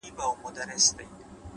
خپل هدفونه لوړ وساتئ،